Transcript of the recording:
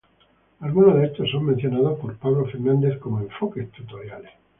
Algunos de estos, son mencionados por Pablo Fernandez como 'Enfoques tutoriales'.